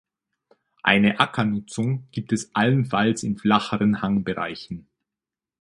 Eine Ackernutzung gibt es allenfalls in flacheren Hangbereichen.